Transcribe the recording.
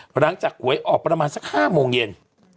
หลังจากหวยออกประมาณสัก๕โมงเย็น